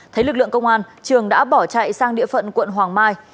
thấy lực lượng công an trường đã bỏ chạy sang địa phận quận hoàng mai